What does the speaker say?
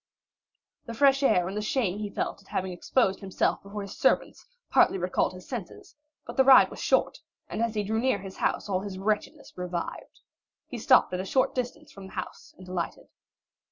The fresh air and the shame he felt at having exposed himself before his servants, partly recalled his senses, but the ride was short, and as he drew near his house all his wretchedness revived. He stopped at a short distance from the house and alighted.